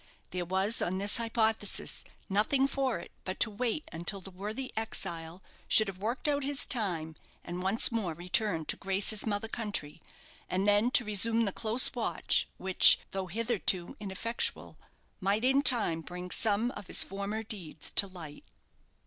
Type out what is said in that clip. There was, on this hypothesis, nothing for it but to wait until the worthy exile should have worked out his time and once more returned to grace his mother country, and then to resume the close watch which, though hitherto ineffectual, might in time bring some of his former deeds to light.